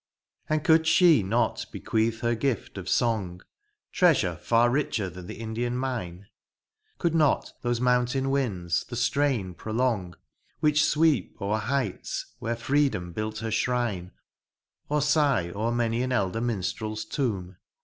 And could she not bequeath her gift of song,— Treasure far richer than the Indian mine ? Could not those mountain winds the strfdn prolong, Which sweep o'er heights where freedom built her shrine, Or sigh o'er many an elder minstrel's tomb